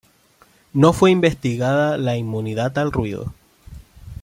No fue investigada la inmunidad al ruido.